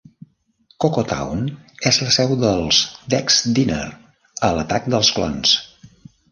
Coco Town és la seu del Dex's Diner a "L'atac dels clons".